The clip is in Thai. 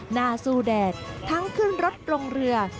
หน้าสู้แดดทั้งขึ้นรถลงเรือ